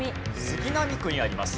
杉並区にあります。